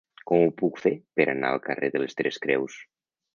Com ho puc fer per anar al carrer de les Tres Creus?